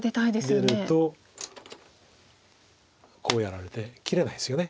出るとこうやられて切れないですよね。